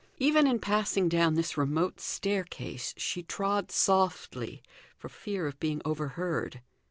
Even in passing down this remote staircase, she trod softly for fear of being overheard.